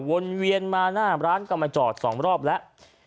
เวียนมาหน้าร้านก็มาจอด๒รอบแล้ว